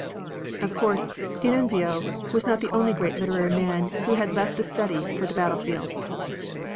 Of course D'Annunzio was not the only great literary man who had left the study for the battle field.